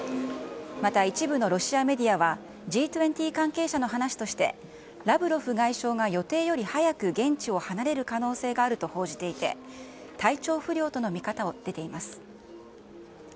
また一部のロシアメディアは、Ｇ２０関係者の話として、ラブロフ外相が予定より早く現地を離れる可能性があると報じていて、体調不良との見方も出ています。